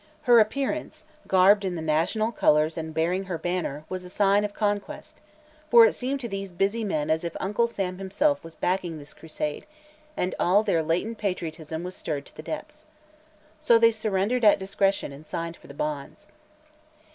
Her appearance, garbed in the national colors and bearing her banner, was a sign of conquest, for it seemed to these busy men as if Uncle Sam himself was backing this crusade and all their latent patriotism was stirred to the depths. So they surrendered at discretion and signed for the bonds.